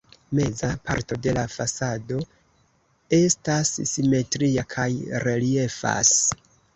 Meza parto de la fasado estas simetria kaj reliefas.